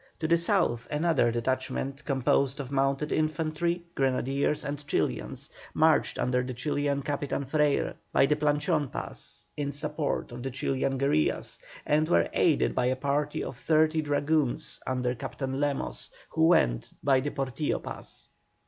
To the south another detachment, composed of mounted infantry, grenadiers, and Chilians, marched under the Chilian Captain Freyre, by the Planchon pass, in support of the Chilian guerillas, and were aided by a party of thirty dragoons under Captain Lemos, who went by the Portillo Pass.